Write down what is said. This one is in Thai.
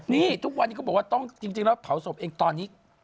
นี่ทุกวันนี้เขาบอกว่าต้องจริงแล้วเผาศพเองตอนนี้